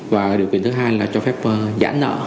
và điều kiện thứ hai là cho phép giãn nợ